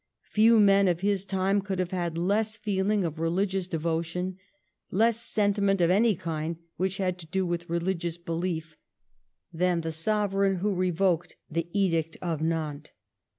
Few men of his time could have had less feeling of religious devo tion, less sentiment of any kind which had to do with religious belief, than the Sovereign who revoked the Edict of Nantes.